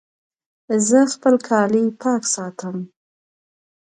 زه خپل کالي پاک ساتم